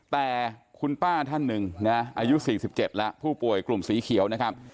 แต่คุณป้าท่านหนึ่งนะอายุ๔๗แล้วผู้ป่วยกลุ่มสีเขียวนะครับ